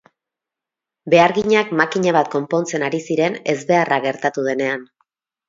Beharginak makina bat konpontzen ari ziren ezbeharra gertatu denean.